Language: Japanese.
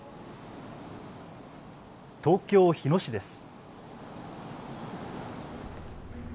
東京日野市です。